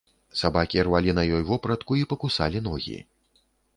Сабакі рвалі на ёй вопратку і пакусалі ногі.